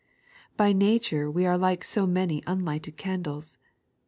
By nature we are like so many unlighted candles.